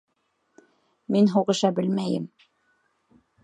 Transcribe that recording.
Мин һуғыша белмәйем.